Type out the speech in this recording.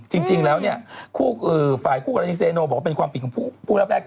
จริงแล้วฝ่ายคู่กรฤษีนูร์บอกว่าเป็นความผิดของผู้รับแลก